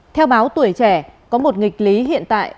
theo báo tuổi trẻ có một nghịch lý hiện tại